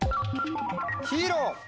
「ヒーロー」。